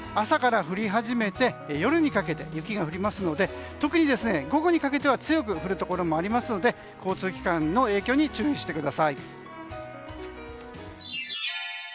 朝から降り始めて夜にかけて雪が降りますので特に午後にかけては強く降るところもありますので交通機関の影響に注意してください。